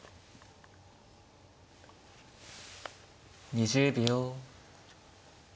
２０秒。